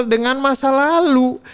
dengan masa lalu